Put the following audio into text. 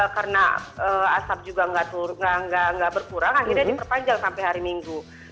karena asap juga gak berkurang akhirnya diperpanjang sampai hari minggu